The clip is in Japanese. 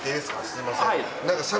すみません。